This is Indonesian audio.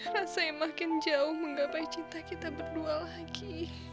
rasa yang makin jauh menggapai cinta kita berdua lagi